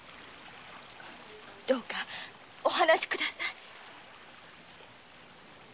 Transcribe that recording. どうかお話し下さい。